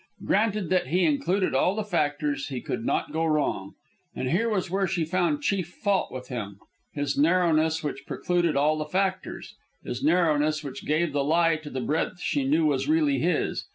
Granted that he included all the factors, he could not go wrong. And here was where she found chief fault with him, his narrowness which precluded all the factors; his narrowness which gave the lie to the breadth she knew was really his.